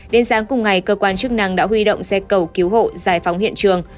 đến sáng cùng ngày cơ quan chức năng đã huy động xe cầu cứu hộ giải phóng hiện trường